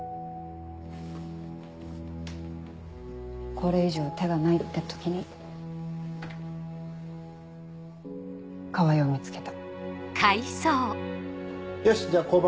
これ以上手がないって時に川合を見つけた。